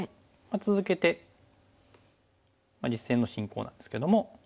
続けて実戦の進行なんですけども。